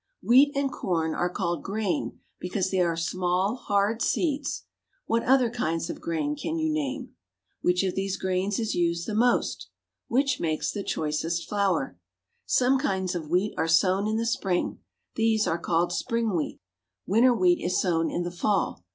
Wheat and corn are called grain because they are small, hard seeds What other kinds of grain can you name? [Illustration; RIPE WHEAT.] Which of these grains is used the most? Which makes the choicest flour? Some kinds of wheat are sown in the spring. These are called spring wheat. Winter wheat is sown in the fall.